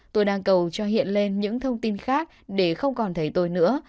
tôi đang cầu cho hiện lên những thông tin khác để không còn thấy tôi nữa